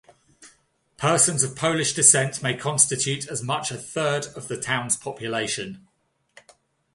Persons of Polish descent may constitute as much a third of the town's population.